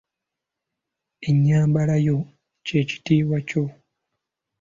Ennyambalayo ky'ekitiibwa kyo.